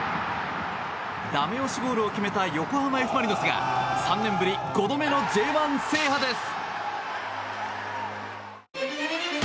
ダメ押しゴールを決めた横浜Ｆ・マリノスが３年ぶり５度目のＪ１制覇です。